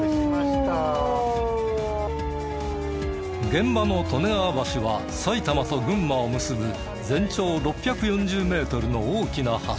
現場の利根川橋は埼玉と群馬を結ぶ全長６４０メートルの大きな橋。